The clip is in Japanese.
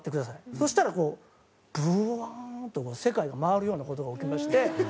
そしたらブワーンとこう世界が回るような事が起きまして。